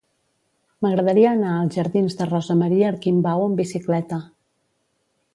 M'agradaria anar als jardins de Rosa Maria Arquimbau amb bicicleta.